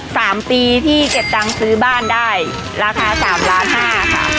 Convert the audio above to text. สามปีพี่เก็บตังค์ซื้อบ้านได้ราคาสามล้านห้าค่ะ